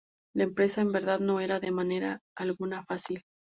La empresa, en verdad, no era en manera alguna fácil.